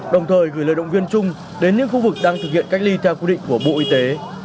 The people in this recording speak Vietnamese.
đồng thời gửi lời động viên chung đến những khu vực đang thực hiện cách ly theo quy định của bộ y tế